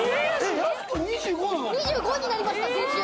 ２５になりました先週。